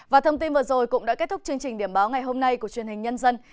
và thông tin vừa rồi cũng đã kết thúc chương trình điểm báo ngày hôm nay của truyền hình nhân dân